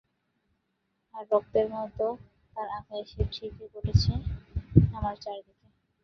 আর রক্তের মতো তার আভা এসে ঠিকরে পড়ছে আমার চারদিকে।